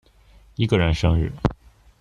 一個人生日